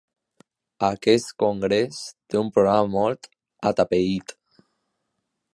Aquest congrés té un programa molt atapeït.